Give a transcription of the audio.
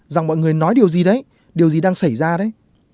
rằng mọi người nói điều gì đấy điều gì đang xảy ra đấy